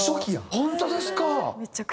本当ですか？